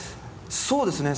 そうですね